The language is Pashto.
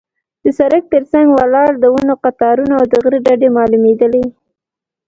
د سړک تر څنګ ولاړ د ونو قطارونه او د غره ډډې معلومېدلې.